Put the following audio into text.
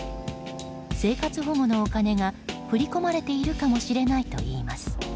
生活保護のお金が振り込まれているかもしれないといいます。